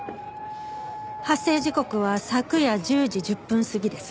発生時刻は昨夜１０時１０分過ぎです。